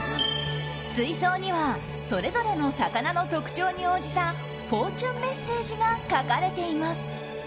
水槽にはそれぞれの魚の特徴に応じたフォーチュンメッセージが書かれています。